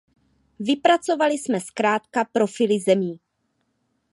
Vypracovali jsme zkrátka profily zemí.